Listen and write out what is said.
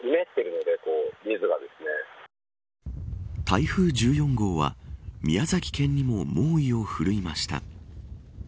台風１４号は宮崎県にも猛威を振るいました。